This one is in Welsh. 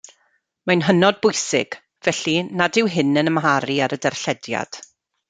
Mae'n hynod bwysig, felly, nad yw hyn yn amharu ar y darllediad.